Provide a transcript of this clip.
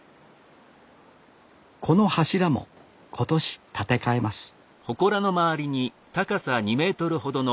この柱も今年建て替えます